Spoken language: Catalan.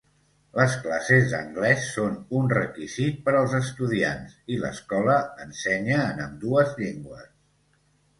Les classes d'anglès són un requisit per als estudiants, i l'escola ensenya en ambdues llengües.